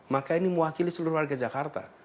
maka ini mewakili seluruh warga jakarta